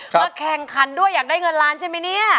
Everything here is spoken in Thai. มาแข่งขันด้วยอยากได้เงินล้านใช่ไหมเนี่ย